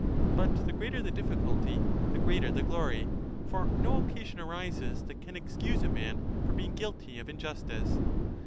But the greater the difficulty, the greater the glory; for no occasion arises that can excuse a man for being guilty of injustice.